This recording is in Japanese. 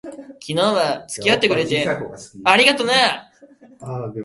昨日は付き合ってくれて、ありがとな。